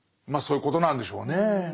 まあそういうことなんでしょうねぇ。